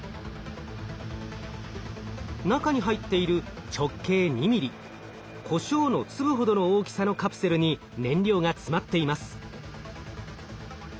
中に入っている直径２ｍｍこしょうの粒ほどの大きさのカプセルに燃料が詰まっています。